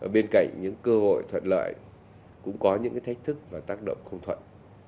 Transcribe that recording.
bên cạnh những cơ hội thuận lợi cũng có những thách thức và tác động không thuận